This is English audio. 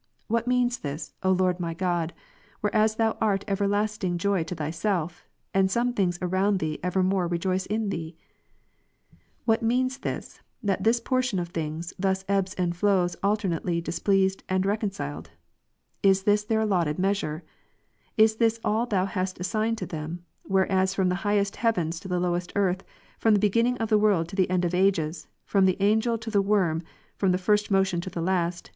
What means this, O Lord my God, whereas Thou art everlastingly joy to Thyself, and some things around Thee evermore rejoice in Thee '^? What means this, that this portion of things thus ebbs and flows alternately displeased and reconciled ? Is this their allotted measure? Is this allThou hast assigned to them, whereas from the highest heavens to the lowest earth, from the beginning of the world to the end of ages, from the angel to the worm, from the first motion to the last.